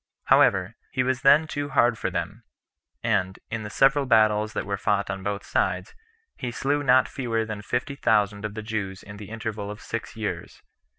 However, he was then too hard for them; and, in the several battles that were fought on both sides, he slew not fewer than fifty thousand of the Jews in the interval of six years.